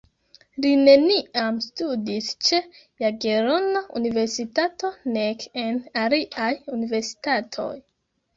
Li neniam studis ĉe Jagelona Universitato nek en aliaj universitatoj.